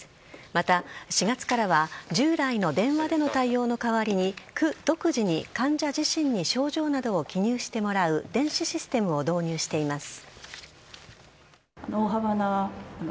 また、４月からは従来の電話での対応の代わりに区独自に患者自身に症状などを記入してもらう電子システムを導入しています。